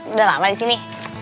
udah lama disini